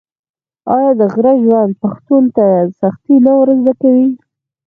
آیا د غره ژوند پښتون ته سختي نه ور زده کوي؟